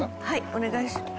お願いします。